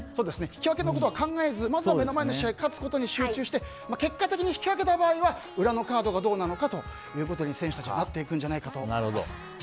引き分けのことは考えずまずは目の前の試合勝つことに集中して結果的に引き分けた場合は裏のカードがどうなのかということになっていくんじゃないかと思います。